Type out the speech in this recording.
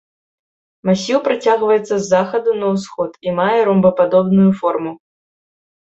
Масіў працягваецца з захаду на ўсход і мае ромбападобную форму.